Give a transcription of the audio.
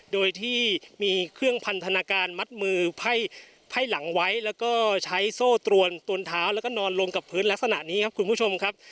โดยที่มีเครื่องพันธนาการมัดมือไพ่หลังไว้แล้วก็ใช้โซ่ตรวนตวนเท้าแล้วก็นอนลงกับพื้นลักษณะนี้ครับคุณผู้ชมครับ